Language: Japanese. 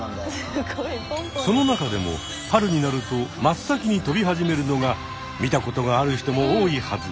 その中でも春になると真っ先に飛び始めるのが見たことがある人も多いはず